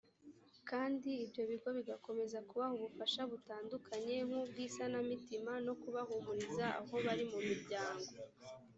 kandi ibyo bigo bigakomeza kubaha ubufasha butandukanye nk ubw isanamitima no kubahumuriza aho bari mu miryango